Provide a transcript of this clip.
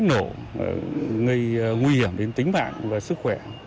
nổ nguy hiểm đến tính mạng và sức khỏe